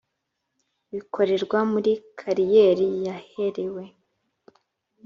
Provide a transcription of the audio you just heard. bikorerwa muri kariyeri yaherewe